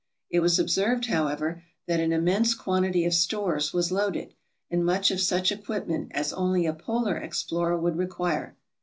It was observed, however, that an immense quantity of stores was loaded, and much of such equipment as only a polar explorer would require.